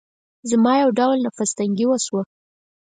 زما يو ډول نفس تنګي وشوه.